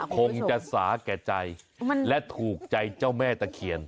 คงจะสาแก่ใจและถูกใจเจ้าแม่ตะเคียน